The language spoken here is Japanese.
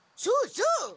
そうそう！